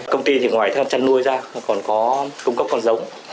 công ty thì ngoài chăn nuôi ra còn có cung cấp con giống